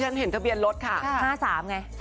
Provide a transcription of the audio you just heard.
เห็นทะเบียนรถค่ะ๕๓ไง